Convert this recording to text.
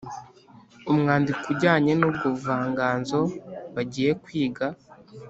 umwandiko ujyanye n’ubwo buvanganzo bagiye kwiga